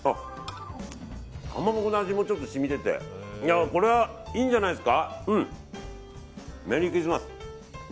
かまぼこの味も染みててこれはいいんじゃないんですか。